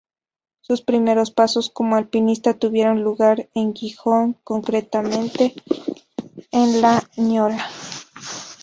Sus primeros pasos como alpinista tuvieron lugar en Gijón, concretamente en la Ñora.